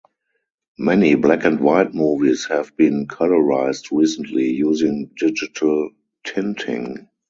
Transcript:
Many black and white movies have been colorized recently using digital tinting.